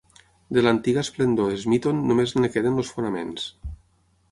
De l'antiga esplendor de Smeaton només en queden els fonaments.